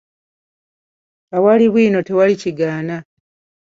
Ewali bwino tewali kigaana.